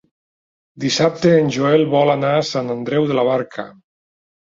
Dissabte en Joel vol anar a Sant Andreu de la Barca.